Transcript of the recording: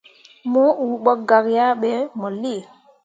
Mo uu ɓo gak yah ɓe mo lii.